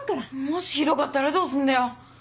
もしひどかったらどうすんだよ？